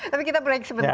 tapi kita break sebentar ya